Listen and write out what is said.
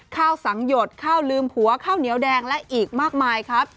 ข้าวสังหยดข้าวลืมผัวข้าวเหนียวแดงและอีกมากมายครับ